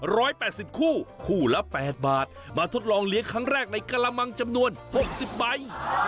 แปดสิบคู่คู่ละแปดบาทมาทดลองเลี้ยงครั้งแรกในกระมังจำนวนหกสิบใบ